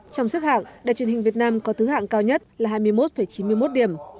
trong xếp hạng đài truyền hình việt nam có thứ hạng cao nhất là hai mươi một chín mươi một điểm